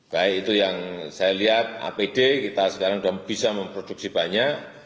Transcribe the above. baik itu yang saya lihat apd kita sekarang sudah bisa memproduksi banyak